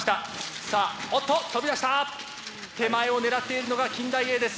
手前を狙っているのが近大Ａです。